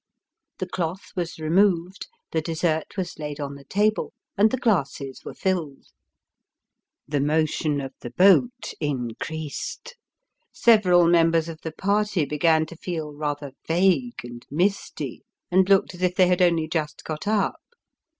The cloth was removed ; the dessert was laid on the table ; and the glasses were filled. Tho motion of the boat increased ; several members of the party began to feel rather vague and misty, and looked as if they had only just got up.